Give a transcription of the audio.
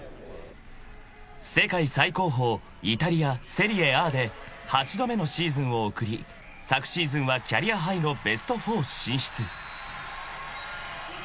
［世界最高峰イタリアセリエＡで八度目のシーズンを送り昨シーズンはキャリアハイのベスト４進出］